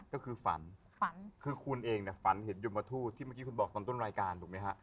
ก็คือฝันฝันคือคุณเองเนี่ยฝันเห็นยมทูตที่เมื่อกี้คุณบอกตอนต้นรายการถูกไหมฮะ